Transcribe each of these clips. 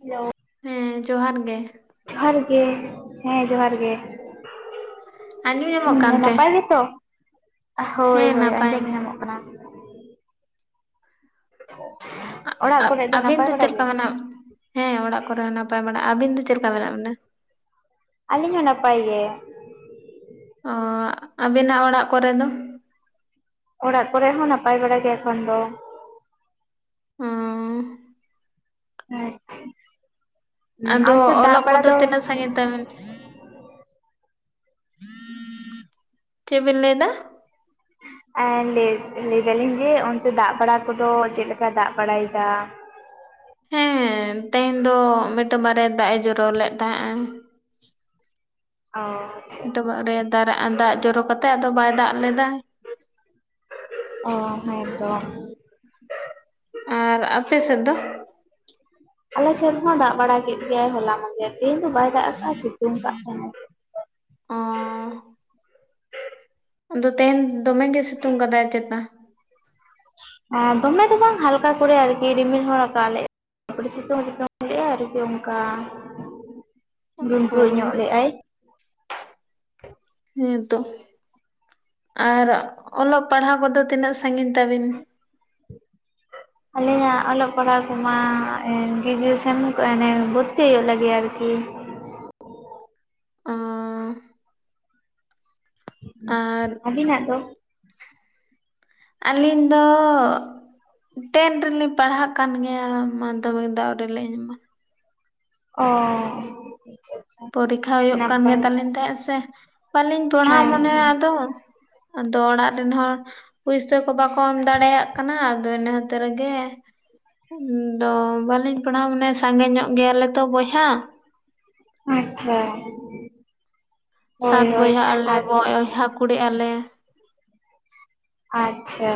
Hello, ᱦᱮᱸ ᱡᱚᱦᱟᱨ ᱜᱮ, ᱡᱚᱦᱟᱨ ᱜᱮ ᱦᱮᱸ ᱡᱚᱸᱦᱟᱨ ᱜᱮ, ᱟᱸᱡᱚᱢ ᱧᱟᱢᱚᱜ ᱦᱩᱸ ᱠᱟᱱᱛᱮ ᱱᱟᱯᱟᱭ ᱜᱮᱛᱚ ᱦᱳᱭ ᱦᱮᱸ ᱦᱳᱭ ᱱᱟᱯᱟᱭ ᱟᱸᱡᱚᱢ ᱜᱮ ᱧᱟᱢᱚᱜ ᱠᱟᱱᱟ, ᱚᱲᱟᱜ ᱠᱚᱨᱮ ᱫᱚ ᱟᱹᱵᱤᱱ ᱱᱟᱯᱟᱭ ᱵᱟᱲᱟ ᱪᱮᱫ ᱜᱮ? ᱞᱮᱠᱟ ᱢᱮᱱᱟᱜ ᱦᱮᱸ ᱚᱲᱟᱜ ᱠᱚᱨᱮ ᱦᱚᱸ ᱱᱟᱯᱟᱭ ᱵᱟᱲᱟ ᱟᱵᱤᱱ ᱫᱚ ᱪᱮᱫ ᱞᱮᱠᱟ ᱢᱮᱱᱟᱜ ᱵᱤᱱᱟ? ᱟᱞᱤᱧ ᱦᱚᱸ ᱱᱟᱯᱟᱭ ᱜᱮ ᱚᱸ ᱟᱵᱤᱱᱟᱜ ᱚᱲᱟᱜ ᱠᱚᱨᱮ ᱫᱚ ᱚᱲᱟᱜ ᱠᱚᱨᱮᱫ ᱦᱚᱸ ᱱᱟᱯᱟᱭ ᱵᱟᱲᱟ ᱜᱮ ᱮᱠᱷᱚᱱ ᱫᱚ ᱦᱩᱸ ᱟᱪᱪᱷᱟ ᱟᱫᱚ ᱚᱱᱛᱮ ᱫᱟᱜ ᱚᱞᱚᱜ ᱵᱟᱲᱟ ᱠᱚᱫᱚ ᱫᱚ ᱛᱤᱱᱟᱹᱜ ᱥᱟᱹ ᱥᱟᱜᱮᱱ ᱛᱮᱵᱤᱱ ᱪᱮᱫ ᱵᱤᱱ ᱞᱟᱹᱭ ᱫᱟ? ᱮᱸ ᱞᱟᱹᱭ ᱞᱟᱹᱭ ᱫᱟᱞᱤᱧ ᱡᱮ ᱚᱱᱛᱮ ᱫᱟᱜ ᱵᱟᱲᱟ ᱠᱚᱫᱚ ᱪᱮᱫ ᱞᱮᱠᱟᱭ ᱫᱟᱜ ᱵᱟᱲᱟᱭᱫᱟ? ᱦᱮᱸ ᱛᱮᱦᱮᱧ ᱫᱚ ᱢᱤᱫᱴᱟᱝ ᱵᱟᱨᱮᱭᱟ ᱫᱟᱜ ᱮ ᱡᱚᱨᱚ ᱞᱮᱫ ᱛᱟᱦᱮᱸᱫᱼᱮ ᱚᱸ ᱴᱚᱵᱟᱜ ᱨᱮ ᱫᱟᱨᱟᱜ ᱫᱟᱜ ᱡᱚᱨᱚ ᱠᱟᱛᱮᱫ ᱟᱫᱚ ᱵᱟᱭ ᱫᱟᱜ ᱞᱮᱫᱟ ᱚᱸ ᱦᱮ ᱛᱚ ᱟᱨ ᱟᱯᱮ ᱥᱮᱫ ᱫᱚ? ᱟᱞᱮ ᱥᱮᱫ ᱦᱚᱸ ᱫᱟᱜ ᱵᱟᱲᱟ ᱠᱮᱫ ᱜᱮᱭᱟᱭ ᱦᱚᱞᱟ ᱢᱟᱫᱷᱮᱨ ᱛᱮᱦᱮᱧ ᱫᱚ ᱵᱟᱭ ᱫᱟᱜ ᱠᱟᱜᱼᱟ ᱥᱤᱛᱩᱝ ᱠᱟᱫ ᱛᱟᱦᱮᱱ ᱚᱸ ᱟᱫᱚ ᱛᱮᱦᱮᱱ ᱫᱚᱢᱮ ᱜᱮ ᱥᱤᱛᱩᱝ ᱠᱟᱫᱟᱭ ᱪᱮᱛᱟ? ᱮᱸ ᱫᱚᱢᱮ ᱫᱚ ᱵᱟᱝ ᱦᱟᱞᱠᱟ ᱠᱚᱨᱮ ᱟᱨ ᱠᱤ ᱨᱤᱢᱤᱞ ᱦᱚ ᱨᱟᱠᱟᱵ ᱞᱮᱜ ᱛᱟᱨ ᱯᱚᱨᱮ ᱥᱤᱛᱩᱝ ᱥᱤᱛᱩᱝ ᱞᱮᱫ ᱟᱭ ᱟᱨ ᱠᱤ ᱚᱱᱠᱟ ᱚ ᱰᱩᱰᱨᱩᱜᱧᱚᱜ ᱞᱮᱫ ᱟᱭ ᱦᱮᱸ ᱛᱚ ᱟᱨ ᱚᱞᱚᱜ ᱯᱟᱲᱦᱟᱣ ᱠᱚᱫᱚ ᱛᱤᱱᱟᱹᱜ ᱥᱟᱺᱜᱤᱧ ᱛᱟᱵᱤᱱ? ᱟᱞᱤᱧᱟᱜ ᱚᱞᱚᱜ ᱯᱟᱲᱦᱟᱣ ᱠᱚᱢᱟ ᱮ ᱜᱨᱮᱡᱩᱭᱮᱥᱚᱱ ᱮᱱᱮ ᱵᱷᱚᱨᱛᱤ ᱦᱩᱭᱩᱜ ᱞᱟᱹᱜᱤᱫ ᱟᱨ ᱠᱤ ᱚ ᱟᱨ ᱩ ᱟᱹᱵᱤᱱᱟᱜ ᱫᱚ? ᱟᱞᱤᱱ ᱫᱚ ᱴᱮᱱ ᱨᱮᱞᱤᱧ ᱯᱟᱲᱦᱟᱜ ᱠᱟᱱ ᱜᱮᱭᱟ ᱢᱟᱫᱽᱫᱷᱚᱢᱤᱠ ᱫᱚ ᱟᱣᱨᱮᱞᱤᱧ ᱮᱢᱟ ᱾ ᱚ ᱟᱪᱪᱷᱟ ᱯᱚᱨᱤᱠᱷᱟ ᱦᱳᱭᱳᱜ ᱠᱟᱱ ᱜᱮ ᱱᱟᱯᱟᱭ ᱛᱟᱞᱤᱧ ᱛᱟᱦᱮᱸᱜ ᱥᱮ ᱵᱟᱹᱞᱤᱧ ᱯᱟᱲᱦᱟᱣ ᱦᱮᱸ ᱢᱚᱱᱮ ᱦᱮᱸ ᱟᱫᱚ ᱟᱫᱚ ᱚᱲᱟᱜ ᱨᱮᱱ ᱦᱚᱲ ᱯᱩᱭᱥᱟᱹ ᱠᱚ ᱵᱟᱠᱚ ᱮᱢ ᱫᱟᱲᱮᱭᱟᱜ ᱠᱟᱱᱟ ᱟᱫᱚ ᱤᱱᱟᱹ ᱠᱷᱟ. ᱛᱤᱨ ᱜᱮ ᱫᱚ ᱵᱟᱹᱞᱤᱧ ᱯᱟᱲᱦᱟᱣ ᱢᱚᱱᱮ ᱥᱟᱸᱜᱮ ᱧᱚᱜ ᱜᱮᱭᱟᱞᱮ ᱛᱚ ᱵᱚᱭᱦᱟ ᱟᱪᱪᱷᱟ ᱾ ᱥᱟᱛ ᱵᱚᱭᱦᱟᱜ ᱟᱞᱮ ᱟᱨ ᱵᱚᱭᱦᱟ ᱠᱩᱲᱤᱜ ᱟᱞᱮ ᱾ ᱟᱪᱪᱷᱟ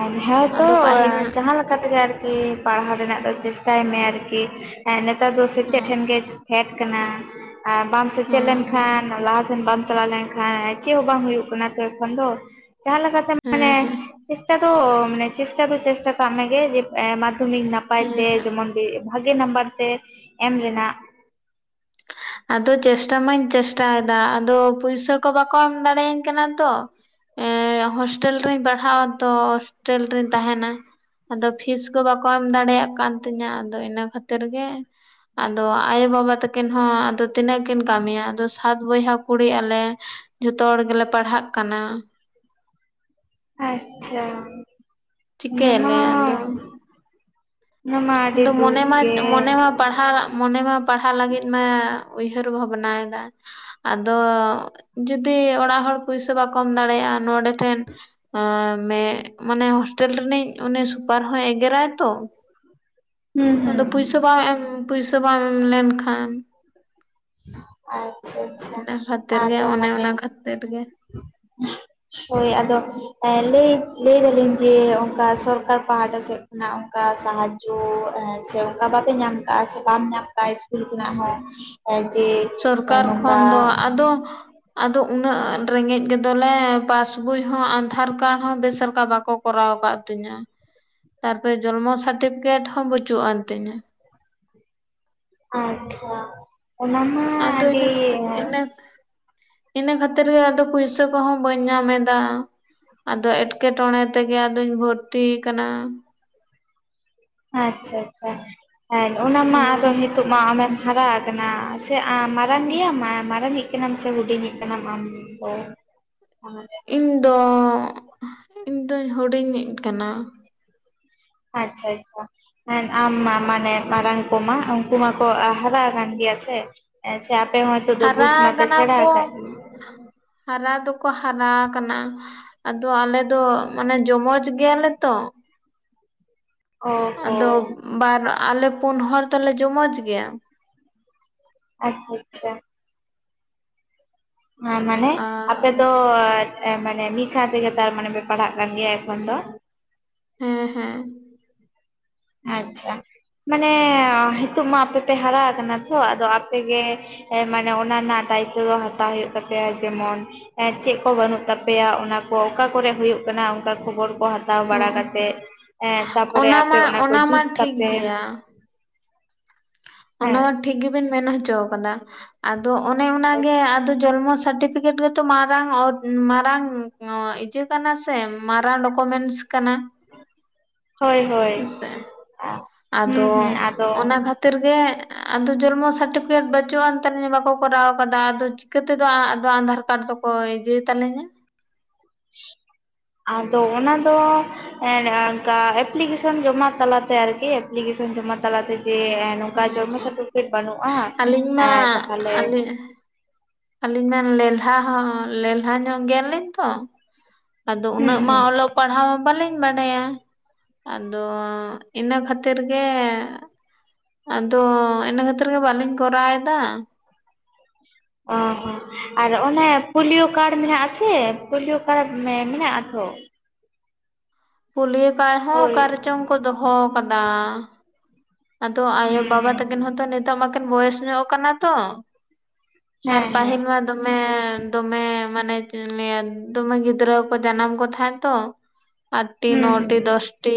ᱟᱨ ᱦᱮ ᱛᱚ ᱟᱫᱚ ᱯᱟᱹᱦᱤᱞ ᱡᱟᱦᱟᱸ ᱞᱮᱠ ᱠᱟ ᱛᱮᱜᱮ ᱟᱨᱠᱤ ᱯᱟᱲᱦᱟᱣ ᱨᱮᱱᱟᱜ ᱫᱚ ᱪᱮᱥᱴᱟᱭ ᱢᱮ ᱟᱨᱠᱤ ᱮᱸ ᱱᱮᱛᱟᱨ ᱫᱚ ᱥᱮᱪᱮᱫ ᱦᱚᱸ ᱴᱷᱮᱱ ᱜᱮ ᱯᱷᱮᱴ ᱠᱟᱱᱟ ᱟ ᱵᱟᱢ ᱥᱮᱪᱮᱫ ᱦᱚᱸ ᱦᱚᱸ ᱞᱮᱱᱠᱷᱟᱱ ᱞᱟᱦᱟ ᱥᱮᱱ ᱵᱟᱢ ᱪᱟᱞᱟᱣ ᱞᱮᱱ ᱠᱷᱟ ᱪᱮᱜ ᱵᱟᱝ ᱦᱩᱭᱩᱜ ᱠᱟᱱᱟ ᱛᱚ ᱮᱠᱷᱚᱱ ᱫᱚ ᱡᱟᱦᱟᱸ ᱞᱮᱠᱟᱛᱮ ᱦᱮᱸ ᱢᱟᱱᱮ ᱦᱮᱸ ᱪᱮᱥᱴᱟ ᱫᱚ ᱢᱮᱱᱮ ᱪᱮᱥᱴᱟ ᱫᱚ ᱪᱮᱥᱴᱟ ᱠᱟᱜ ᱢᱮᱜᱮ ᱡᱮ ᱮ ᱢᱟᱫᱽᱫᱷᱚᱢᱤᱠ ᱱᱟᱯᱟᱭ ᱦᱮᱸ ᱛᱮ ᱦᱟᱸᱜ ᱡᱮᱢᱚᱱ ᱛᱮᱜ ᱵᱷᱟᱜᱮ ᱱᱟᱢᱵᱟᱨ ᱛᱮ ᱮᱢ ᱨᱮᱱᱟᱜ ᱾ ᱟᱫᱚ ᱪᱮᱥᱴᱟ ᱢᱟᱹᱧ ᱪᱮᱥᱴᱟᱮᱫᱟ ᱟᱫᱚ ᱯᱩᱭᱥᱟᱹ ᱠᱚ ᱵᱟᱠᱚ ᱮᱢ ᱫᱟᱲᱮᱟᱹᱧ ᱠᱟᱱᱟ ᱛᱚ ᱾ ᱮ‍ᱸᱦᱳᱥᱴᱮᱞ ᱨᱤᱧ ᱯᱟᱲᱦᱟᱜ ᱟ ᱛᱚ ᱦᱳᱥᱴᱮᱞ ᱨᱤᱧ ᱛᱟᱦᱮᱱᱟ ᱾ ᱟᱫᱚ ᱯᱷᱤᱥ ᱠᱚ ᱵᱟᱠᱚ ᱮᱢ ᱫᱟᱲᱮᱭᱟᱜ ᱠᱟᱱ ᱛᱤᱧᱟ ᱟᱫᱚ ᱤᱱᱟᱹ ᱠᱷᱟᱛᱤᱨ ᱜᱮ ᱟᱫᱚ ᱟᱭᱳᱵᱟᱵᱟ ᱛᱟᱠᱤᱱ ᱦᱚᱸ ᱟᱫᱚ ᱛᱤᱱᱟᱹᱜ ᱠᱤᱱ ᱠᱟᱢᱤᱭᱟ ᱟᱫᱚ ᱥᱟᱛ ᱵᱚᱭᱦᱟ ᱠᱩᱲᱤᱜ ᱟᱞᱮ ᱡᱷᱚᱛᱚ ᱦᱚᱲ ᱜᱮᱞᱮ ᱯᱟᱲᱦᱟᱜ ᱠᱟᱱᱟ ᱾ ᱟᱪᱪᱷᱟ ᱚᱱᱟᱢᱟ ᱪᱤᱠᱟᱹᱭᱟᱞᱮ ᱟᱫᱚ ᱚᱱᱟᱢᱟ ᱟᱹᱰᱤ ᱟᱫᱚ ᱫᱩᱠ ᱢᱚᱱᱮ ᱢᱟ ᱜᱮᱻ ᱢᱚᱱᱮ ᱢᱟ ᱯᱟᱲᱦᱟᱜ ᱢᱚᱱᱮ ᱢᱟ ᱯᱟᱲᱦᱟ ᱞᱟᱹᱜᱤᱫ ᱢᱟ ᱩᱭᱦᱟᱹᱨ ᱵᱷᱟᱵᱽᱱᱟᱭ ᱫᱟ ᱾ ᱟᱫᱚ ᱡᱩᱫᱤ ᱚᱲᱟᱜ ᱦᱚᱲ ᱯᱩᱭᱥᱟᱹ ᱵᱟᱠᱚ ᱮᱢ ᱫᱟᱲᱮᱭᱟᱜᱼᱟ ᱱᱚᱰᱮ ᱴᱷᱮᱱ ᱮ ᱢᱮᱜ ᱢᱟᱱᱮ ᱦᱳᱥᱴᱮᱞ ᱨᱤᱱᱤᱡ ᱩᱱᱤ ᱥᱩᱯᱟᱨ ᱦᱚᱸᱭ ᱮᱜᱮᱨᱟᱭ ᱛᱚ ᱾ ᱦᱩᱸ ᱟᱫᱚ ᱦᱩᱸ ᱯᱩᱭᱥᱟᱹ ᱵᱟᱝ ᱮᱢ ᱯᱩᱭᱥᱟᱹ ᱵᱟᱝ ᱮᱢ ᱞᱮᱱ ᱠᱷᱟᱱ ᱟᱪᱷᱟ ᱟᱪᱷᱟ ᱤᱱᱟᱹ ᱠᱷᱟᱹᱛᱤᱨ ᱜᱮ ᱟᱫᱚ ᱚᱱᱮ ᱢᱟᱱᱮ ᱚᱱᱟ ᱠᱷᱟᱹᱛᱤᱨ ᱜᱮ ᱦᱳᱭ ᱟᱫᱚ ᱮ ᱞᱟᱹᱭ ᱞᱟᱹᱭ ᱫᱟᱞᱤᱧ ᱡᱮ ᱚᱱᱠᱟ ᱥᱚᱨᱠᱟᱨ ᱯᱟᱦᱴᱟ ᱥᱮᱫ ᱱᱟ ᱚᱝᱠᱟ ᱥᱟᱦᱟᱡᱡᱚ ᱪᱮ ᱚᱝᱠᱟ ᱵᱟᱯᱮ ᱧᱟᱢ ᱠᱟᱜ-ᱟ ᱥᱮ ᱵᱟᱢ ᱧᱟᱢ ᱠᱟᱜ-ᱟ ᱤᱥᱠᱩᱞ ᱠᱷᱚᱱᱟᱜ ᱦᱚᱸ ᱚᱡᱮ ᱥᱚᱨᱠᱟᱨ ᱠᱷᱚᱱ ᱫᱚ ᱟᱫᱚ ᱟᱫᱚ ᱩᱱᱟᱹᱜ ᱨᱮᱸᱜᱮᱡ ᱜᱮᱫᱚᱞᱮ ᱯᱟᱥᱵᱩᱭ [unintelligible] ᱦᱚᱸ ᱟᱫᱷᱟᱨ ᱠᱟᱬ ᱦᱚᱸ ᱵᱮᱥᱞᱮᱠᱟ ᱵᱟᱠᱚ ᱠᱚᱨᱟᱣ ᱟᱠᱟᱜ ᱛᱤᱧᱟᱹ, ᱛᱟᱨᱯᱚᱨᱮ ᱡᱚᱱᱢᱚ ᱥᱟᱨᱴᱤᱯᱤᱠᱮᱴ ᱦᱚᱸ ᱵᱟᱹᱪᱩᱜ ᱟᱱ ᱛᱤᱧᱟᱹ ᱾ [inaudible] ᱚᱱᱟ ᱢᱟ ᱟᱫᱚ ᱟᱹᱰᱤ ᱞᱮ ᱤᱱᱟᱹᱠᱷ [unintelligible] ᱤᱱᱟᱹ ᱠᱷᱟᱹᱛᱤᱨ ᱜᱮ ᱟᱫᱚ ᱯᱩᱭᱥᱟᱹ ᱠᱚᱦᱚᱸ ᱵᱟᱹᱧ ᱧᱟᱸᱢ ᱮᱫᱟ ᱾ ᱟᱫᱚ ᱮᱴᱠᱮᱴᱚᱬᱮ ᱛᱮᱜᱮ ᱟᱫᱩᱧ ᱵᱷᱚᱛᱛᱤ ᱠᱟᱱᱟ ᱾ ᱟᱪᱪᱷᱟ ᱟᱪᱪᱷᱟ, ᱦᱮᱸ ᱚᱱᱟ ᱢᱟ ᱦᱚᱸ ᱟᱫᱚ ᱱᱤᱛᱳᱜ ᱢᱟ ᱟᱢᱮᱢ ᱦᱟᱨᱟ ᱟᱠᱟᱱᱟ ᱾ ᱛᱷᱮ [unintelligible] ᱟᱻ ᱢᱟᱨᱟᱝᱜᱮᱭᱟ ᱢᱟ ᱢᱟᱨᱟᱝᱤᱡ ᱠᱮᱱᱟᱢ ᱥᱮ ᱦᱩᱰᱤᱧᱤᱡ ᱠᱟᱱᱟᱢ ᱟᱢ ᱫᱚ, ᱚᱱᱟᱜᱮ ᱾ ᱤᱧᱫᱚ ᱦᱩᱵᱤᱧ ᱫᱚ ᱦᱩᱰᱤᱧ ᱤᱡ ᱠᱟᱱᱟ ᱾ ᱟᱪᱪᱷᱟ ᱟᱪᱪᱷᱟ ᱾ [unintelligible] ᱟᱢ ᱢᱟ ᱢᱟᱱᱮ ᱢᱟᱨᱟᱝ ᱠᱚᱢᱟ ᱩᱱᱠᱩ ᱢᱟᱠᱚ ᱟᱜ ᱦᱟᱨᱟ ᱟᱠᱟᱱ ᱜᱮᱭᱟ ᱥᱮ? ᱟᱸᱪᱪᱷᱟ ᱟᱯᱮ ᱦᱚᱸ ᱱᱤᱛᱚᱜ ᱫᱚ ᱦᱟᱨᱟ ᱵᱩᱡᱽ ᱢᱟᱯᱮ ᱠᱟᱱᱟ ᱥᱮᱬᱟ ᱠᱚ ᱟᱠᱟᱜ ᱜᱮᱭᱟ ᱾ ᱦᱟᱨᱟ ᱫᱚᱠᱚ ᱦᱟᱨᱟ ᱟᱠᱟᱱᱟ ᱾ ᱟᱫᱚ ᱟᱞᱮ ᱫᱚ ᱢᱟᱱᱮ ᱡᱚᱢᱚᱡᱽ ᱜᱮᱭᱟᱞᱮ ᱛᱚ ᱾ ᱚ ᱦᱚ ᱟᱫᱚ ᱵᱟᱨ ᱟᱞᱮ ᱯᱩᱱ ᱦᱚᱲ ᱫᱚᱞᱮ ᱡᱚᱢᱚᱡᱽ ᱜᱮᱭᱟ ᱾ ᱟᱪ ᱪᱷᱟ ᱪᱷᱟ᱾ [unintelligible] [unintelligible] ᱢᱟᱱᱮ ᱟᱨ ᱟᱯᱮ ᱫᱚ ᱮ ᱢᱟᱱᱮ ᱢᱤᱫ ᱥᱟᱶ ᱛᱮᱜᱮ ᱛᱟᱨ ᱢᱟᱱᱮ ᱯᱮ ᱯᱟᱲᱦᱟᱜ ᱠᱟᱱ ᱜᱮᱭᱟ ᱮᱠᱷᱚᱱ ᱫᱚ ᱾ ᱦᱮᱸ ᱦᱮᱸ ᱟᱪᱪᱷᱟ, ᱢᱟᱱᱮ ᱱᱤᱸᱛᱚᱜ ᱢᱟ ᱟᱯᱮ ᱛᱮ ᱦᱟᱨᱟ ᱟᱠᱟᱱᱟ ᱛᱚ ᱟᱫᱚ ᱟᱯᱮᱜᱮᱼᱼ ᱦᱮ ᱢᱟᱱᱮ ᱚᱱᱟ ᱨᱮᱱᱟᱜ ᱫᱟᱭᱤᱛᱛᱚ ᱫᱚ ᱦᱟᱛᱟᱣ ᱦᱩᱭᱩᱜ ᱛᱟᱯᱮᱭᱟ ᱡᱮᱢᱚᱱᱼᱼ ᱪᱮᱫ ᱠᱚ ᱵᱟᱹᱱᱩᱜ ᱛᱟᱯᱮᱭᱟ ᱚᱱᱟ ᱠᱚ ᱚᱠᱟ ᱠᱚᱨᱮ ᱦᱩᱭᱩᱜ ᱠᱟᱱᱟ ᱚᱝᱠᱟ ᱠᱷᱚᱵᱚᱨ ᱠᱚ ᱦᱟᱛᱟᱣᱼᱼ ᱦᱟᱛᱟᱣ ᱵᱟᱲᱟ ᱦᱚᱸ ᱠᱟᱛᱮ ᱮᱸ ᱛᱟᱨᱯᱚᱨᱮ ᱟᱯᱮ ᱢᱟ ᱚᱱᱟ ᱠᱚ ᱢᱟ ᱡᱩᱛ ᱴᱷᱤᱠ ᱛᱟᱯᱮ ᱾ ᱜᱮᱭᱟ ᱚᱱᱟ ᱢᱟ ᱴᱷᱤᱠ ᱜᱮᱵᱤᱱ ᱢᱮᱱ ᱦᱚᱪᱚ ᱠᱟᱫᱟ ᱾ ᱟᱫᱚ ᱚᱱᱮ ᱚᱱᱟᱜᱮ ᱟᱫᱚ ᱡᱚᱞᱢᱚ [unintelligible] ᱥᱟᱴᱴᱤᱯᱷᱤᱠᱮᱴ ᱜᱮᱼᱼ ᱢᱟᱨᱟᱝ [unintelligible] ᱢᱟᱨᱟᱝ ᱱᱚᱣᱟ ᱮᱸ ᱤᱪᱟᱹ ᱠᱟᱱᱟ ᱥᱮ ᱢᱟᱨᱟᱝ ᱰᱚᱠᱚᱢᱮᱱᱥ ᱠᱟᱱᱟ ᱾ [unintelligible] ᱦᱮᱸᱥᱮ, ᱦᱩᱸ ᱟᱫᱚ ᱦᱩᱸ ᱟᱫᱚ ᱚᱱᱟ ᱠᱷᱟᱹᱛᱤᱨ ᱜᱮ ᱾ ᱟᱫᱚ ᱡᱚᱞᱢᱚ [unintelligible] ᱥᱟᱴᱴᱤᱯᱷᱤᱠᱮᱴ ᱵᱟᱹᱪᱩᱜᱼᱟᱱ ᱛᱟᱞᱤᱧᱟ ᱵᱟᱠᱚ ᱠᱚᱨᱟᱣ ᱟᱠᱟᱫᱟ ᱟᱫᱚ ᱪᱤᱠᱟᱹ ᱛᱮᱫᱚ ᱟᱫᱚ ᱟᱸᱫᱷᱟᱨ ᱠᱟᱨᱰ ᱫᱚᱼᱼ ᱚᱭ ᱡᱮ ᱛᱟᱞᱤᱧᱟᱼᱼ ᱟᱫᱚ ᱚᱱᱟ ᱫᱚᱼᱼ ᱦᱮᱸ ᱮᱱᱮ ᱚᱱᱠᱟ ᱮᱯᱞᱤᱠᱮᱥᱚᱱ ᱡᱚᱢᱟ ᱛᱟᱞᱟᱛᱮ ᱟᱨᱠᱤ, ᱮᱯᱞᱤᱠᱮᱥᱚᱱ ᱡᱚᱢᱟ ᱛᱟᱞᱟᱛᱮ ᱜᱮᱼᱼ ᱱᱚᱝᱠᱟ ᱦᱮᱸ ᱡᱚᱱᱢᱚ ᱦᱮᱸ ᱥᱟᱨᱴᱤᱯᱷᱤᱠᱮᱴ ᱵᱟᱹᱱᱩᱜᱼᱟ, ᱟᱹᱞᱤᱧ ᱢᱟ ᱮᱸ ᱛᱟᱦᱟᱞᱮᱼᱼ ᱟᱹᱞᱤᱧ ᱟᱹᱞᱤᱧ ᱢᱮᱱ ᱞᱮᱞᱦᱟ ᱦᱚᱸ ᱞᱮᱞᱦᱟ ᱧᱚᱜ ᱜᱮᱭᱟᱞᱤᱧ ᱛᱚ ᱾ ᱟᱫᱚ ᱦᱩᱸ ᱩᱱᱟᱹᱜ ᱢᱟ ᱦᱩᱸ ᱚᱞᱚᱜ ᱯᱟᱲᱦᱟᱣ ᱵᱟᱹᱞᱤᱧ ᱵᱟᱰᱟᱭᱟ ᱾ ᱟᱫᱚ, ᱤᱱᱟᱹ ᱠᱷᱟᱹᱛᱤᱨ ᱜᱮᱼᱼ ᱟᱫᱚ, ᱤᱱᱟᱹ ᱠᱷᱟᱹᱛᱤᱨ ᱜᱮ ᱵᱟᱞᱤᱧ ᱠᱚᱨᱟᱣ ᱮᱫᱟ ᱾ ᱚ ᱦᱚᱸ [unintelligible] ᱟᱨ ᱚᱱᱮ ᱯᱳᱞᱤᱭᱳ ᱠᱟᱨᱰ ᱢᱤᱱᱟᱜ ᱟᱥᱮ, ᱯᱳᱞᱤᱭᱳ ᱠᱟᱨᱰ ᱢᱮᱱᱟᱜᱼᱟ ᱛᱚ ᱾ ᱯᱩᱞᱤᱭᱟᱹ ᱠᱟᱬ ᱦᱚᱸ ᱦᱳᱭ ᱚᱠᱟᱨᱮ ᱪᱚᱝ ᱠᱚ ᱫᱚᱦᱚ ᱠᱟᱫᱟ ᱾ ᱟᱫᱚ ᱦᱩᱸ ᱟᱭᱳᱼᱵᱟᱵᱟ ᱛᱟᱹᱠᱤᱱ ᱦᱚᱸᱛᱚ ᱱᱤᱛᱚᱜ ᱢᱟᱠᱤᱱ ᱵᱚᱭᱚᱥ ᱧᱚᱜ ᱠᱟᱱᱟ ᱛᱚ ᱾ ᱟᱨ ᱦᱮᱸ ᱦᱮᱸ ᱯᱟᱦᱤᱞ ᱢᱟᱼᱼ ᱫᱚᱢᱮ ᱫᱚᱢᱮ ᱢᱟᱱᱮ [inaudible] ᱫᱚᱢᱮ ᱜᱤᱫᱽᱨᱟᱹ ᱠᱚ ᱡᱟᱱᱟᱢ ᱠᱚ ᱛᱟᱦᱮᱸ ᱛᱚ [inaudible] ᱟᱴᱴᱤ ᱦᱩᱸ ᱱᱚᱴᱤ ᱫᱚᱥᱴᱤ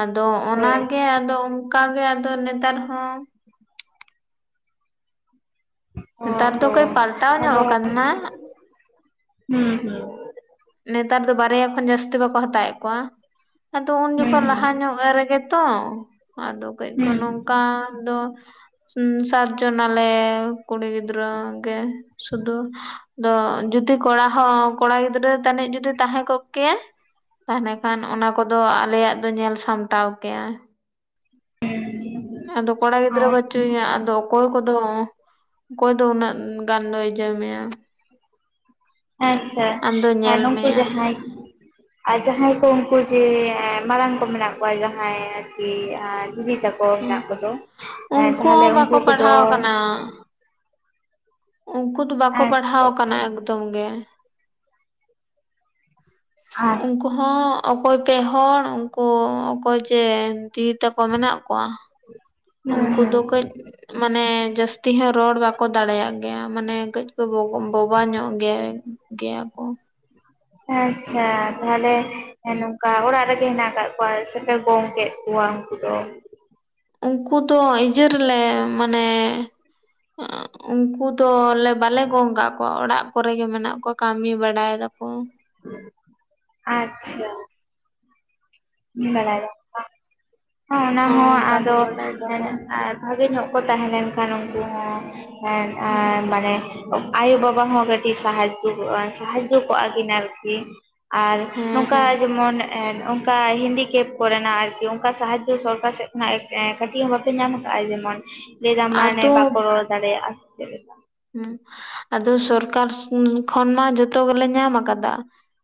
ᱟᱫᱚ ᱦᱳᱭ ᱚᱱᱟᱜᱮ ᱟᱫᱚᱼᱼ ᱠᱟ ᱜᱮ ᱟᱫᱚ ᱱᱮᱛᱟᱨ ᱦᱚᱸᱼᱼ ᱱᱮᱛᱟᱨ ᱚ ᱫᱚ ᱠᱟᱹᱡ ᱦᱮᱸ ᱯᱟᱞᱴᱟᱣ ᱧᱚᱜ ᱟᱫᱚ, ᱟᱠᱟᱱᱟ ᱦᱩᱸ ᱦᱩᱸ ᱾ ᱱᱮᱛᱟᱨ ᱫᱚ ᱵᱟᱨᱭᱟ ᱠᱷᱚᱱ ᱡᱟᱹᱥᱛᱤ ᱵᱟᱠᱚ [inaudible] ᱦᱟᱛᱟᱭᱮᱫ ᱠᱚᱣᱟ ᱟᱫᱚ ᱩᱱ ᱦᱩᱸ ᱡᱚᱠᱷᱚᱱ ᱞᱟᱦᱟ ᱧᱚᱜ ᱨᱮᱜᱮ ᱛᱚ ᱟᱫᱚ ᱠᱟᱹᱡ ᱠᱚ ᱦᱩᱸ ᱱᱚᱼᱼ ᱠᱟ ᱫᱚ ᱥᱟᱛ ᱡᱚᱱᱟᱞᱮ ᱠᱩᱲᱤ ᱜᱤᱫᱽᱨᱟᱹ ᱜᱮ᱾ ᱥᱩᱫᱩ ᱫᱚ ᱡᱩᱫᱤ ᱠᱚᱲᱟ ᱦᱚᱸ ᱠᱚᱲᱟ ᱜᱤᱫᱽᱨᱟᱹᱼᱼ ᱛᱟᱹᱱᱤᱡ ᱡᱩᱫᱤ ᱛᱟᱦᱮᱸ ᱠᱚᱜ ᱠᱮᱭᱟᱭ [inaudible] ᱠᱷᱟᱱ ᱚᱱᱟ ᱠᱚᱫᱚ ᱟᱞᱮᱭᱟᱜ ᱫᱚ ᱧᱮᱞ ᱥᱟᱢᱴᱟᱣ ᱠᱮᱭᱟᱭ᱾ [inaudible] ᱟᱫᱚ ᱠᱚᱲᱟ ᱜᱤᱫᱽᱨᱟᱹ ᱦᱩᱸ ᱵᱟᱪᱩᱭᱮᱭᱟ ᱟᱫᱚ ᱚᱠᱚᱭ ᱠᱚᱫᱚ ᱚᱠᱚᱭ ᱫᱚ ᱩᱱᱟᱹᱜ ᱜᱟᱱ ᱫᱚᱭ ᱤᱡᱟᱹ ᱢᱮᱭᱟ᱾ ᱟᱪᱪᱷᱟ, ᱟᱢ ᱫᱚ ᱧᱮᱞ ᱱᱩᱝᱠᱩ ᱢᱮᱭᱟ ᱡᱟᱦᱟᱸᱭᱼᱼ ᱟᱨ ᱡᱟᱦᱟᱸᱭ ᱠᱚ ᱩᱱᱠᱩ ᱡᱮ ᱢᱟᱨᱟᱝ ᱠᱚ ᱢᱮᱱᱟᱜ ᱠᱚᱣᱟ ᱡᱟᱦᱟᱸᱭ ᱟᱨᱠᱤ ᱫᱤᱫᱤ ᱛᱟᱠᱚ᱾ ᱠᱚ ᱢᱮᱱᱟᱜ ᱠᱚᱫᱚ ᱩᱱᱠᱩ ᱛᱟᱦᱚᱞᱮ ᱦᱚᱸ ᱩᱱᱠᱩ ᱵᱟᱠᱚ ᱠᱚᱫᱚᱼᱼ ᱯᱟᱲᱦᱟᱣ ᱟᱠᱟᱱᱟ ᱩᱱᱠᱩ ᱫᱚ ᱵᱟᱠᱚ ᱟᱪᱪᱷᱟ ᱯᱟᱲᱦᱟᱣ ᱠᱟᱱᱟ ᱟᱪᱪᱷᱟ ᱮᱠᱫᱚᱢ ᱜᱮ᱾ ᱟᱪᱪᱷᱟ ᱩᱱᱠᱩᱼᱼ ᱦᱚᱸ ᱚᱠᱚᱭ ᱯᱮ ᱦᱚᱲ ᱩᱱᱠᱩ ᱚᱠᱚᱭ ᱪᱮ ᱫᱤᱫᱤ ᱛᱟᱠᱚ ᱢᱮᱱᱟᱜ ᱠᱚᱣᱟ᱾ ᱦᱩᱸ ᱩᱝᱠᱩ ᱫᱚ ᱦᱩᱸ ᱠᱟᱹᱡ ᱢᱟᱱᱮ ᱡᱟᱹᱥᱛᱤ ᱦᱚᱸ ᱨᱚᱲ ᱵᱟᱠᱚ ᱫᱟᱲᱮᱭᱟᱜ ᱜᱮᱭᱟ ᱢᱟᱱᱮ ᱠᱟᱹᱡᱼᱼ [inaudible] ᱵᱳᱵᱟ ᱧᱚᱜ ᱜᱮᱭᱟ ᱜᱮᱭᱟ ᱠᱚ᱾ ᱟᱪᱪᱷᱟ ᱛᱟᱦᱚᱞᱮ ᱱᱚᱝᱠᱟ ᱚᱲᱟᱜ ᱨᱮᱜᱮ ᱦᱮᱱᱟᱜ ᱠᱟᱜ ᱠᱚᱣᱟ ᱥᱮᱯᱮ ᱜᱚᱝ ᱠᱮᱫ ᱠᱚᱣᱟ? [inaudible] ᱩᱱᱠᱩ ᱫᱚ ᱤᱡᱟᱹ ᱨᱮᱞᱮ ᱢᱟᱱᱮᱼᱼ [inaudible] ᱩᱱᱠᱩ ᱫᱚ ᱞᱮ ᱵᱟᱞᱮ ᱜᱚᱝ ᱠᱟᱜ ᱠᱚᱣᱟ ᱚᱲᱟᱜ ᱠᱚᱨᱮ ᱜᱮ ᱢᱮᱱᱟᱜ ᱠᱚᱣᱟ ᱠᱟᱹᱢᱤ ᱵᱟᱲᱟᱭᱮᱫᱟᱠᱚ᱾ ᱟᱪᱪᱷᱟ᱾ ᱠᱟᱢᱤ ᱵᱟᱲᱟᱭ ᱥᱟᱠᱚᱢ ᱵᱟᱝ, ᱚᱱᱟ ᱦᱚᱸ ᱠᱟᱹᱢᱤ ᱟᱫᱚᱼᱼ ᱵᱟᱲᱟᱭ ᱫᱟᱠᱚ ᱵᱷᱟᱜᱮ ᱧᱚᱜ ᱠᱚ ᱛᱟᱦᱮᱸ ᱞᱮᱱᱠᱷᱟᱱ ᱩᱱᱠᱩ ᱦᱚᱸ ᱦᱚᱸ‌ᱡᱟᱦᱟᱭ ᱢᱟᱱᱮᱼᱼ ᱟᱭᱳᱼᱵᱟᱵᱟ ᱦᱚᱸ ᱠᱟᱹᱴᱤᱡ ᱥᱟᱦᱟᱡᱽᱡᱚᱠᱚᱼᱟ ᱥᱟᱦᱟᱡᱡᱚ ᱠᱚᱜᱼᱟ ᱠᱤᱱ ᱟᱨᱠᱤ᱾ ᱟᱨ ᱦᱮᱸ ᱱᱚᱝᱠᱟ ᱦᱮᱸ ᱡᱮᱢᱚᱱ ᱮᱱᱼ ᱚᱱᱠᱟ ᱦᱤᱱᱰᱤᱠᱮᱯ ᱠᱚ ᱨᱮᱱᱟᱜ ᱟᱨᱠᱤ ᱚᱱᱠᱟᱱ ᱥᱟᱦᱟᱡᱡᱚ ᱥᱚᱨᱠᱟᱨ ᱥᱮᱫ ᱠᱷᱚᱱᱟᱜ ᱠᱟᱹᱴᱤᱡ ᱦᱚᱸ ᱵᱟᱯᱮ ᱧᱟᱢ ᱠᱟᱜᱼᱟ, ᱡᱮᱢᱚᱱᱼᱼ ᱞᱟᱹᱭ ᱮᱫᱟᱢ ᱢᱟᱱᱮ ᱟᱫᱚ ᱵᱟᱠᱚ ᱨᱚᱲ ᱫᱟᱲᱮᱭᱟᱜᱼᱟ, ᱥᱮ ᱪᱮᱫ ᱞᱮᱠᱟ? ᱟᱫᱚ ᱥᱚᱨᱠᱟᱨ ᱠᱷᱚᱱ ᱢᱟ ᱡᱚᱛᱚ ᱜᱮᱞᱮ ᱧᱟᱢ ᱟᱠᱟᱫᱟ ᱠᱟᱫᱟ᱾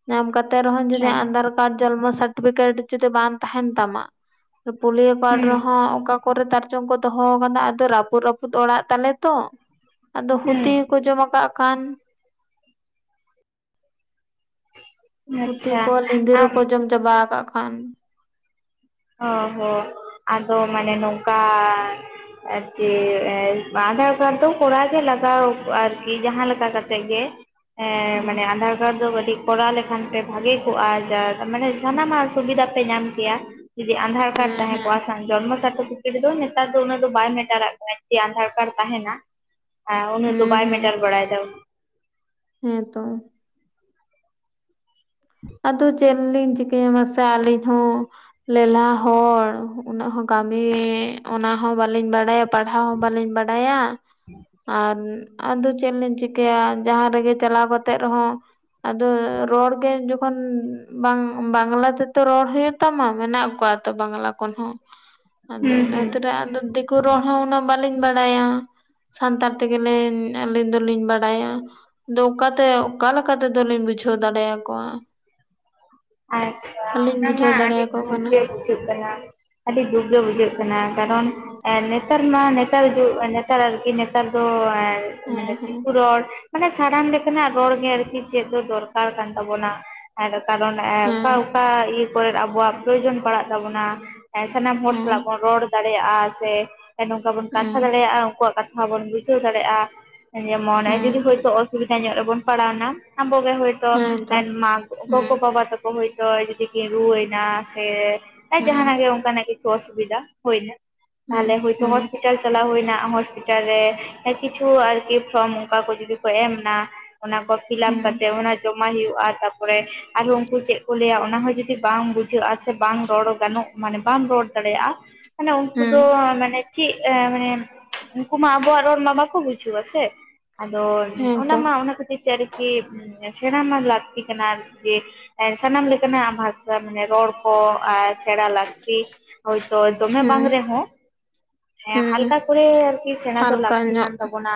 ᱧᱟᱢ ᱠᱟᱛᱮ ᱨᱮᱦᱚᱸ ᱡᱩᱫᱤ ᱦᱮᱸ ᱟᱫᱷᱟᱨ ᱠᱟᱨᱰ, ᱡᱚᱱᱢᱚ ᱥᱟᱨᱴᱤᱯᱷᱤᱠᱮᱴ ᱡᱩᱫᱤ ᱵᱟᱝ ᱛᱟᱦᱮᱱ ᱛᱟᱢᱟᱼᱼ ᱯᱩᱞᱤᱭᱳ ᱠᱟᱨᱰ ᱦᱩᱸ ᱨᱮᱦᱚᱸ ᱚᱠᱟ ᱠᱚᱨᱮ ᱛᱟᱨᱪᱚᱝ ᱠᱚ ᱫᱚᱦᱚ ᱠᱟᱱᱟ ᱟᱫᱚ ᱨᱟᱹᱯᱩᱫ ᱨᱟᱹᱯᱩᱫ ᱚᱲᱟᱜ ᱛᱟᱞᱮ ᱛᱚ᱾ ᱟᱫᱚ ᱦᱩᱛᱤ ᱠᱚᱠᱚ ᱦᱩᱸ ᱡᱚᱢ ᱟᱠᱟᱜ ᱠᱷᱟᱱᱼᱼ [inaudible] ᱦᱩᱛᱤ ᱠᱚ, ᱞᱸᱤᱫᱤᱨ ᱟᱢ ᱠᱚ ᱡᱚᱢ ᱪᱟᱵᱟ ᱠᱟᱫ ᱠᱷᱟᱱ᱾ ᱦᱳᱭ ᱦᱳᱭ, ᱟᱫᱚ ᱢᱟᱱᱮ ᱱᱚᱝᱠᱟᱼᱼ ᱟᱨ ᱪᱮ ᱟᱫᱷᱟᱨ ᱠᱟᱨᱰ ᱫᱚ ᱠᱚᱨᱟᱣ ᱜᱮ ᱞᱟᱜᱟᱣᱼᱟ, ᱟᱨᱠᱤ ᱡᱟᱦᱟᱸ ᱞᱮᱠᱟ ᱠᱟᱛᱮ ᱠᱟᱛᱮ ᱜᱮ᱾ ᱦᱮᱸ ᱦᱩᱸ ᱢᱟᱱᱮ ᱟᱫᱷᱟᱨ ᱠᱟᱨᱰ ᱫᱚ ᱠᱟᱹᱴᱤᱡ ᱠᱚᱨᱟᱣ ᱞᱮᱠᱷᱟᱱ ᱯᱮ ᱵᱷᱟᱜᱮ ᱠᱚᱜᱼᱟ᱾ ᱡᱟᱼ ᱢᱟᱱᱮ ᱦᱩᱸ ᱥᱟᱱᱟᱢᱟᱜ ᱥᱩᱵᱤᱫᱷᱟ ᱯᱮ ᱧᱟᱢ ᱠᱮᱭᱟ ᱡᱩᱫᱤ ᱟᱫᱷᱟᱨ ᱠᱟᱨᱰ ᱦᱮᱸ ᱛᱟᱦᱮᱸ ᱦᱮᱸ ᱠᱚᱜᱼᱟ᱾ ᱡᱚᱱᱢᱚ ᱥᱟᱴᱴᱳᱯᱤᱠᱤᱴ ᱫᱚ ᱱᱮᱛᱟᱨ ᱫᱚ ᱩᱱᱟᱹᱜ ᱫᱚ ᱵᱟᱭ ᱢᱮᱴᱟᱨᱟᱜ ᱠᱟᱱᱟ ᱡᱩᱫᱤ ᱟᱫᱷᱟᱨ ᱠᱟᱨᱰ ᱛᱟᱦᱮᱱᱼᱟ᱾ ᱦᱮᱸ ᱩᱱᱟᱹᱜ ᱫᱚ ᱵᱟᱭ ᱦᱩᱸ ᱦᱩᱸ ᱢᱮᱴᱟᱨ ᱵᱟᱲᱟᱭᱮᱫᱟ᱾ ᱦᱮᱸ ᱛᱚ᱾ ᱟᱫᱚ ᱪᱮᱫ ᱞᱤᱧ ᱪᱤᱠᱟᱹᱭᱟ ᱢᱟᱥᱮ ᱟᱞᱤᱧ ᱦᱚᱸ? ᱞᱮᱞᱦᱟ ᱦᱚᱲ ᱩᱱᱟᱹᱜ ᱦᱚᱸ ᱠᱟᱹᱢᱤ ᱚᱱᱟ ᱦᱚᱸ ᱵᱟᱹᱞᱤᱧ ᱵᱟᱲᱟᱭᱟ᱾ ᱯᱟᱲᱦᱟᱣ ᱦᱚᱸ ᱵᱟᱹᱞᱤᱧ ᱵᱟᱲᱟᱭᱟ ᱟᱨᱼᱼ ᱟᱫᱚ ᱪᱮᱫ ᱞᱤᱧ ᱪᱤᱠᱟᱹᱭᱟ, ᱡᱟᱦᱟᱸ ᱨᱮᱜᱮ ᱪᱟᱞᱟᱣ ᱠᱟᱛᱮᱜ ᱨᱮᱦᱚᱸ ᱟᱫᱚ ᱨᱚᱲ ᱜᱮᱼᱼ ᱛᱚᱠᱷᱚᱱ ᱵᱟᱝ ᱵᱟᱝᱞᱟ ᱛᱮᱛᱚ ᱨᱚᱲ ᱦᱳᱭᱳᱜ ᱛᱟᱢᱟ ᱢᱮᱱᱟᱜ ᱠᱚᱣᱟ ᱛᱚ ᱵᱟᱝᱞᱟ ᱠᱷᱚᱱ ᱦᱚᱸᱼᱼ [inaudible] ᱟᱫᱚ ᱦᱩᱸ ᱤᱱᱟᱹᱛ ᱨᱮ, ᱟᱫᱚ ᱫᱤᱠᱳ ᱨᱚᱲ ᱦᱚᱸ ᱩᱱᱟᱹᱜ ᱵᱟᱞᱤᱧ ᱵᱟᱲᱟᱭᱟ᱾ ᱥᱟᱱᱛᱟᱲ ᱛᱮᱜᱮ ᱞᱤᱧ ᱟᱹᱞᱤᱧ ᱫᱚᱞᱤᱧ ᱵᱟᱲᱟᱭᱟ᱾ ᱟᱫᱚ ᱚᱱᱠᱟᱛᱮ ᱚᱠᱟᱠᱟ ᱛᱮᱫᱚ ᱞᱤᱧ ᱵᱩᱡᱷᱟᱹᱣ ᱫᱟᱲᱮᱭᱟᱠᱚᱣᱟ? ᱟᱪᱪᱷᱟ, ᱟᱹᱞᱤᱧ ᱚᱱᱟ ᱢᱟ ᱵᱩᱡᱷᱟᱹᱣ ᱟᱹᱰᱤ ᱫᱟᱲᱮᱭᱟᱠᱚ ᱫᱩᱠ ᱠᱟᱱᱟ ᱜᱮ ᱵᱩᱡᱷᱟᱹᱜ ᱠᱟᱱᱟ᱾ ᱟᱹᱰᱤ ᱫᱩᱠ ᱜᱮ ᱵᱩᱡᱷᱟᱹᱜ ᱠᱟᱱᱟ᱾ ᱠᱟᱨᱚᱱ--᱾ ᱱᱮᱛᱟᱨ ᱢᱟ ᱱᱮᱛᱟᱨ ᱡᱩ, ᱱᱮᱛᱟᱨ ᱟᱨᱠᱤ ᱱᱮᱛᱟᱨ ᱫᱚ ᱢᱟᱱᱮ, ᱦᱮᱸ ᱦᱮᱸ ᱫᱤᱠᱩ ᱨᱚᱲ ᱢᱟᱱᱮ ᱥᱟᱱᱟᱢ ᱞᱮᱠᱟᱱᱟᱜ ᱨᱚᱲ ᱜᱮ, ᱟᱨᱠᱤ ᱪᱮᱫ ᱫᱚ ᱫᱚᱨᱠᱟᱨ ᱠᱟᱱ ᱛᱟᱵᱚᱱᱟ᱾ ᱠᱟᱨᱚᱱ ᱦᱮᱸ ᱚᱠᱟ ᱚᱠᱟ ᱤᱭᱟᱹ ᱠᱚᱨᱮ ᱟᱵᱚᱣᱟᱜ ᱯᱨᱚᱭᱳᱡᱚᱱ ᱯᱟᱲᱟᱜ ᱛᱟᱵᱚᱱᱟ, ᱥᱟᱱᱟᱢ ᱦᱚᱲ ᱦᱮᱸ ᱥᱟᱞᱟᱜ ᱵᱚᱱ ᱨᱚᱲ ᱫᱟᱲᱮᱭᱟᱜᱼᱟ ᱥᱮ ᱱᱚᱝᱠᱟ ᱵᱚᱱ ᱠᱟᱛᱷᱟ ᱦᱮᱸ ᱫᱟᱲᱮᱭᱟᱜᱼᱟ, ᱩᱱᱠᱩᱣᱟᱜ ᱠᱟᱛᱷᱟ ᱦᱚᱸ ᱵᱚᱱ ᱵᱩᱡᱷᱟᱹᱣ ᱫᱟᱲᱮᱭᱟᱜᱼᱟ᱾ ᱡᱮᱢᱚᱱ ᱦᱮᱸ ᱡᱩᱫᱤ ᱦᱳᱭᱛᱳ ᱚᱥᱩᱵᱤᱫᱷᱟ ᱧᱚᱜ ᱨᱮᱵᱚᱱ ᱯᱟᱲᱟᱣᱱᱟ, ᱟᱵᱚᱜᱮ ᱦᱳᱭ ᱛᱚ ᱦᱮᱸᱛᱚ ᱦᱮᱸ ᱜᱚᱜᱚ ᱵᱟᱵᱟ ᱛᱟᱠᱚ ᱦᱚᱭᱛᱳ ᱡᱩᱫᱤ ᱠᱤᱱ ᱨᱩᱣᱟᱹᱭ ᱱᱟ ᱥᱮ ᱦᱮᱸ ᱡᱟᱦᱟᱱᱟᱜ ᱜᱮ ᱚᱱᱠᱟᱱᱟᱜ ᱠᱤᱪᱷᱩ ᱚᱥᱩᱵᱤᱫᱟ ᱦᱳᱭᱱᱟ, ᱦᱮᱸ ᱛᱟᱦᱚᱞᱮ ᱦᱳᱭᱛᱚ ᱦᱮᱸ ᱦᱚᱥ ᱦᱚᱥᱯᱤᱴᱟᱞ ᱪᱟᱞᱟᱣ ᱦᱳᱭᱱᱟ, ᱦᱚᱥᱯᱤᱴᱟᱞ ᱨᱮ ᱠᱤᱪᱷᱩ ᱟᱨᱠᱤ ᱯᱷᱨᱚᱢ ᱚᱱᱠᱟ ᱠᱚ ᱡᱩᱫᱤ ᱠᱚ ᱮᱢᱱᱟ ᱚᱱᱟ ᱠᱚ ᱯᱷᱤᱞᱟᱯ ᱦᱮᱸ ᱠᱟᱛᱮ ᱚᱱᱟ ᱡᱚᱢᱟ ᱦᱩᱭᱩᱜᱼᱟ ᱛᱟᱯᱚᱨᱮ ᱟᱨᱦᱚ ᱪᱮᱫ ᱠᱚ ᱞᱟᱹᱭᱟ ᱚᱱᱟ ᱦᱚᱸ ᱡᱩᱫᱤ ᱵᱟᱝ ᱵᱩᱡᱷᱟᱹᱜᱼᱟ ᱥᱮ, ᱵᱟᱝ ᱨᱚᱲ ᱜᱟᱱᱚᱜ ᱢᱟᱱᱮ ᱵᱟᱢ ᱨᱚᱲ ᱫᱟᱲᱮᱭᱟᱜᱼᱟ᱾ ᱢᱟᱱᱮ ᱩᱱᱠᱩ ᱦᱮᱸ ᱫᱚ ᱢᱟᱱᱮ ᱪᱮᱜ, ᱢᱟᱱᱮ ᱩᱱᱠᱩ ᱢᱟ ᱟᱵᱚᱣᱟᱜ ᱨᱚᱲ ᱢᱟ ᱵᱟᱠᱚ ᱵᱩᱡᱷᱟᱹᱣᱟ ᱥᱮ ᱟᱫᱚ ᱚᱱᱟ ᱦᱮᱸᱛᱚ ᱢᱟ ᱚᱱᱟ ᱠᱷᱟᱹᱛᱤᱨ ᱛᱮ ᱟᱨᱠᱤ, ᱥᱮᱬᱟ ᱢᱟ ᱞᱟᱹᱠᱛᱤ ᱠᱟᱱᱟ ᱟᱨᱠᱤ ᱥᱟᱱᱟᱢ ᱞᱮᱠᱟᱱᱟᱜ ᱵᱷᱟᱥᱟ, ᱢᱟᱱᱮ ᱨᱚᱲ ᱠᱚ ᱟ ᱥᱮᱬᱟ ᱞᱟᱹᱠᱛᱤ ᱟᱨᱠᱤ ᱦᱳᱭᱛᱚ, ᱫᱚᱢᱮ ᱦᱮᱸ ᱵᱟᱝ ᱨᱮᱦᱚᱸ ᱦᱮᱸ ᱦᱟᱞᱠᱟ ᱠᱚᱨᱮ ᱟᱨᱠᱤ, ᱥᱮᱬᱟ ᱫᱚ ᱦᱟᱞᱠᱟ ᱞᱟᱹᱠᱛᱤ ᱧᱚᱜ ᱠᱟᱱ ᱛᱟᱵᱚᱱᱟ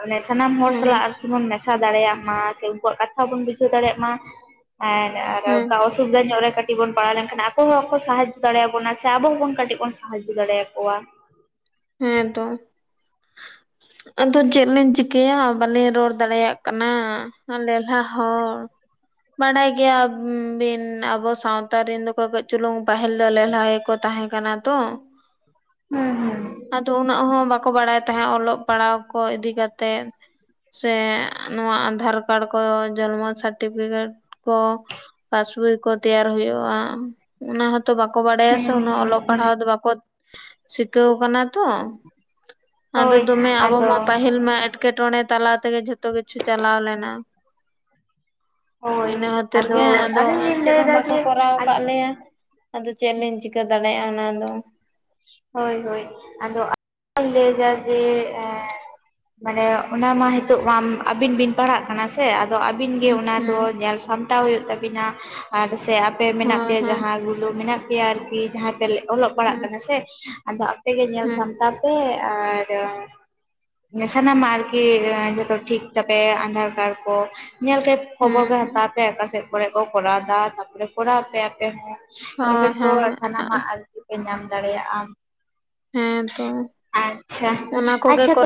ᱢᱟᱱᱮ ᱥᱟᱱᱟᱢ ᱦᱚᱲ ᱥᱟᱞᱟᱜ ᱦᱮᱸ ᱟᱨᱠᱤ ᱵᱚᱱ ᱢᱮᱥᱟ ᱫᱟᱲᱮᱭᱟᱜ ᱢᱟ ᱥᱮ, ᱩᱱᱠᱩᱣᱟᱜ ᱠᱟᱛᱷᱟ ᱵᱚᱱ ᱵᱩᱡᱷᱟᱹᱣ ᱫᱟᱲᱮᱭᱟᱜ ᱢᱟ, ᱟᱨ ᱦᱮᱸ ᱚᱠᱟ ᱚᱥᱩᱵᱤᱫᱷᱟ ᱧᱚᱜ ᱨᱮ ᱠᱟᱹᱴᱤᱡ ᱵᱚᱱ ᱯᱟᱲᱟᱣ ᱞᱮᱱᱠᱷᱟᱱ, ᱟᱠᱚ ᱦᱚᱸ ᱟᱵᱟᱠᱚ ᱥᱟᱦᱟᱡᱚ ᱫᱟᱲᱮᱭᱟᱵᱚᱱᱟ ᱥᱮ ᱟᱵᱚ ᱦᱚᱸᱵᱚᱱ ᱠᱟᱹᱴᱤᱡ ᱵᱚᱱ ᱥᱟᱦᱟᱡᱽᱡᱚ ᱫᱟᱲᱮᱭᱟ ᱠᱚᱣᱟ ᱦᱮᱸ, ᱛᱚ [inaudible] [inaudible] ᱟᱫᱚ ᱪᱮᱫ ᱞᱤᱧ ᱪᱤᱠᱟᱹᱭᱟ, ᱵᱟᱞᱤᱧ ᱨᱚᱲ ᱫᱟᱲᱮᱭᱟᱜ ᱠᱟᱱᱟ᱾ ᱞᱮᱞᱦᱟ ᱦᱚᱸ ᱵᱟᱰᱟᱭ ᱜᱮᱭᱟ ᱵᱤᱱ ᱟᱵᱚ ᱥᱟᱶᱛᱟ ᱨᱮᱱ ᱫᱚᱠᱚ ᱠᱟᱹᱡ ᱪᱩᱞᱩᱝ, ᱯᱟᱹᱦᱤᱞ ᱫᱚ ᱞᱮᱞᱦᱟ ᱜᱮᱠᱚ ᱛᱟᱦᱮᱸ ᱠᱟᱱᱟ ᱛᱚ᱾ ᱦᱩᱸ, ᱦᱩᱸ, ᱟᱫᱚ ᱩᱱᱟᱹᱜ ᱦᱚᱸ ᱵᱟᱠᱚ ᱵᱟᱲᱟᱭ ᱛᱟᱦᱮᱸ, ᱚᱞᱚᱜ ᱯᱟᱲᱦᱟᱣ ᱠᱚ ᱤᱫᱤ ᱠᱟᱛᱮ ᱥᱮ ᱱᱚᱶᱟ ᱟᱫᱷᱟᱨ ᱠᱟᱨᱰ ᱠᱚ, ᱡᱚᱱᱢᱚ ᱥᱟᱨᱴᱤᱯᱷᱤᱠᱮᱴ ᱠᱚ ᱯᱟᱥᱵᱚᱭ ᱠᱚ ᱛᱮᱭᱟᱨ ᱦᱳᱭᱳᱜᱼᱟ, ᱚᱱᱟ ᱦᱸᱚᱛᱚ ᱛᱚ ᱵᱟᱠᱚ ᱵᱟᱰᱟᱭᱟ ᱥᱮ, ᱦᱩᱸ ᱩᱱᱟᱜ ᱦᱩᱸ ᱚᱞᱚᱜ ᱦᱩᱸ ᱯᱟᱲᱦᱟᱣ ᱫᱚ ᱵᱟᱠᱚ ᱥᱤᱠᱟᱹᱣ ᱠᱟᱱᱟ ᱛᱚ ᱟᱫᱚ ᱦᱳᱭ ᱫᱚᱢᱮ ᱟᱵᱚ ᱟᱫᱚ ᱢᱟ ᱯᱟᱹᱦᱤᱞ ᱢᱟ, ᱮᱴᱠᱮᱴᱚᱬᱮ ᱛᱟᱞᱟ ᱛᱮᱜᱮ, ᱡᱷᱚᱛᱚ ᱠᱤᱪᱷᱩ ᱪᱟᱞᱟᱣ ᱞᱮᱱᱟ᱾ ᱦᱳᱭ ᱤᱱᱟᱹ ᱠᱷᱟᱹᱛᱤᱨ ᱜᱮ, ᱟᱫᱚ ᱟᱹᱞᱤᱧ ᱞᱤᱧ ᱪᱮᱫ ᱦᱚᱸ ᱞᱟᱹᱭᱫᱟ ᱵᱟᱠᱚ ᱡᱮ ᱠᱚᱨᱟᱣ ᱠᱟᱜ ᱞᱮᱭᱟ᱾ ᱟᱫᱚ ᱪᱮᱫ ᱞᱤᱧ ᱪᱤᱠᱟᱹ ᱫᱟᱲᱮᱭᱟᱜᱼᱟ ᱚᱱᱟᱫᱚ᱾ ᱦᱳᱭ, ᱦᱳᱭ, ᱟᱫᱚ ᱟᱫᱚᱧ ᱞᱟᱹᱭᱫᱟ ᱡᱮ ᱢᱟᱱᱮ ᱚᱱᱟ ᱢᱟ ᱦᱤᱛᱚᱜ ᱢᱟ ᱟᱹᱵᱤᱱ ᱵᱤᱱ ᱯᱟᱲᱦᱟᱜ ᱠᱟᱱᱟ ᱥᱮ ᱟᱫᱚ ᱟᱹᱵᱤᱱ ᱜᱮ ᱚᱱᱟ ᱫᱚ ᱦᱮᱸ ᱧᱮᱞ ᱥᱟᱢᱴᱟᱣ ᱦᱳᱭᱳᱜ ᱛᱟᱵᱤᱱᱟ ᱟᱨ ᱥᱮ ᱯᱮ ᱢᱮᱱᱟᱜ ᱦᱳᱭ ᱯᱮᱭᱟ, ᱦᱮᱸ ᱡᱟᱦᱟᱸ ᱜᱩᱞᱟᱹ ᱢᱮᱱᱟᱜ ᱯᱮᱭᱟ ᱟᱨᱠᱤ ᱡᱟᱦᱟᱸᱭ ᱯᱮ ᱚᱞᱚᱜ ᱯᱟᱲᱦᱟᱜ ᱠᱟᱱᱟ ᱥᱮ ᱟᱫᱚ ᱟᱯᱮ ᱜᱮ ᱧᱮᱞ ᱦᱮᱸ ᱦᱮᱸ ᱥᱟᱢᱴᱟᱣ ᱯᱮ, ᱟᱨ ᱥᱟᱱᱟᱢᱟᱜ ᱟᱨᱠᱤ ᱡᱚᱛᱚ ᱴᱷᱤᱠ ᱛᱟᱯᱮ, ᱟᱫᱷᱟᱨ ᱠᱟᱨᱰ ᱠᱚ ᱧᱮᱞ ᱛᱮ ᱠᱷᱚᱵᱚᱨ ᱦᱮᱸ ᱠᱚ ᱦᱮᱸ ᱦᱟᱛᱟᱣ ᱯᱮ, ᱟᱠᱟᱥᱮᱫ ᱠᱚᱨᱮ ᱠᱚ ᱠᱚᱨᱟᱣᱫᱟ ᱛᱟᱯᱚᱨᱮ ᱠᱚᱨᱟᱣ ᱯᱮ ᱟᱯᱮ ᱦᱚᱸ᱾ ᱛᱚᱵᱮ ᱦᱳᱭ ᱛᱚ ᱥᱟᱱᱟᱢᱟᱜ ᱦᱮᱸ ᱟᱨᱠᱤ ᱯᱮ ᱧᱟᱢ ᱫᱟᱲᱮᱭᱟᱜᱼᱟ᱾ ᱦᱮᱸ ᱛᱚ ᱟᱪᱪᱷᱟ, ᱚᱱᱟ ᱠᱚᱜᱮ ᱟᱪᱪᱷᱟ ᱠᱚᱨᱟᱣ